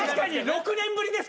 ６年ぶりです。